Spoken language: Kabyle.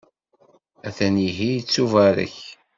A-t-an ihi, ittubarek.